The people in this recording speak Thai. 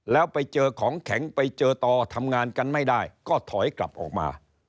แล้วไปเจอของแข็งไปเจอต่อทำงานกันไม่ได้ก็ถอยกลับออกมา